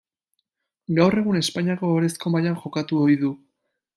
Gaur egun Espainiako Ohorezko mailan jokatu ohi du.